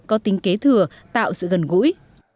có tính kế thừa tạo sự gần gũi